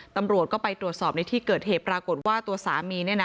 ตำรวจก็ไปตรวจสอบในที่เกิดเหตุปรากฏว่าตัวสามี